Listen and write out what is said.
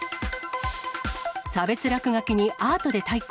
差別落書きにアートで対抗。